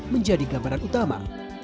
menjadi gambaran utama